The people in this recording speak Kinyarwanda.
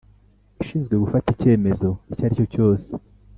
Ishinzwe gufata icyemezo icyo ari cyo cyose